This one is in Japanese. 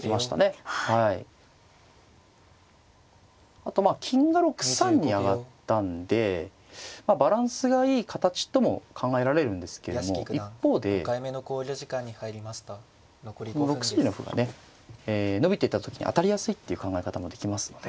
あとまあ金が６三に上がったんでバランスがいい形とも考えられるんですけども一方でこの６筋の歩がね伸びていった時に当たりやすいっていう考え方もできますので。